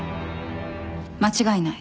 間違いない。